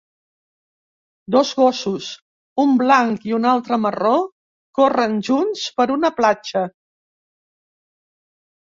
Dos gossos, un blanc i un altre marró, corren junts per una platja.